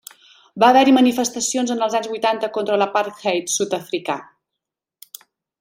Va haver-hi manifestacions en els anys vuitanta contra l'apartheid sud-africà.